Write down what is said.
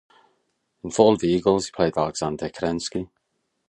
In "Fall of Eagles" he played Alexander Kerensky.